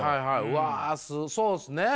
うわそうですね。